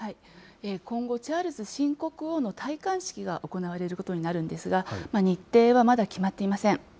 今後、チャールズ新国王の戴冠式が行われることになるんですが、日程はまだ決まっていません。